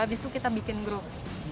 abis itu kita bikin grup